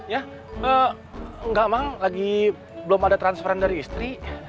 ya eh enggak mang lagi belum ada transferan dari istri